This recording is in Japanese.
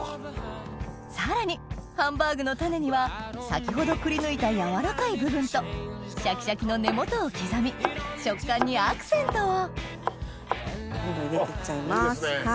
さらにハンバーグのタネには先ほどくりぬいた柔らかい部分とシャキシャキの根元を刻み食感にアクセントをどんどん入れてっちゃいます。